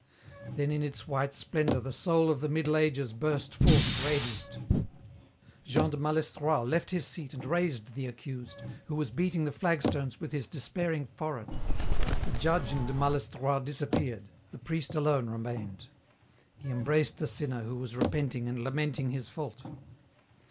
Then in its white splendour the soul of the Middle Ages burst forth radiant. Jean de Malestroit left his seat and raised the accused, who was beating the flagstones with his despairing forehead. The judge in de Malestroit disappeared, the priest alone remained. He embraced the sinner who was repenting and lamenting his fault.